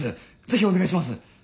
ぜひお願いします！